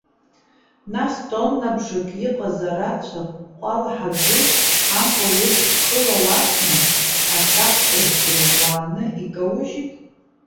Нас, тоннабжак иҟаз арацәа ҟәалҳа ду, ампыл еиԥш хыла уасны, ашахҭа иҭырууааны икаужьит?!